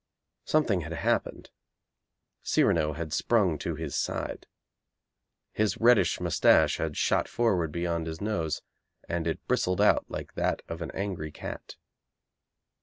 Something had happened. Cyrano had sprung to his side. His reddish moustache had shot forward beyond his nose, and it bristled out like that of an angry cat.